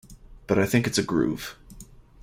But I think it's a groove.